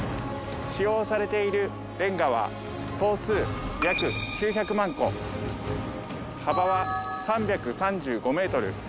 使用されているレンガは総数約９００万個幅は３３５メートル。